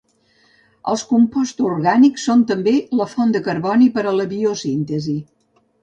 Els composts orgànics són també la font de carboni per a la biosíntesi.